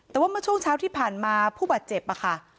แต่ว่าเมื่อช่วงเช้าที่ผ่านมาผู้บาดเจ็บค่ะ